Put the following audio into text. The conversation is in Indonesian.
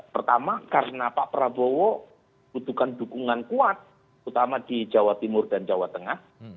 pertama karena pak prabowo butuhkan dukungan kuat utama di jawa timur dan jawa tengah